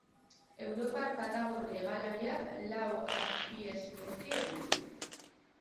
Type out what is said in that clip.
Europar katagorri hegalariak lau azpiespezie ditu.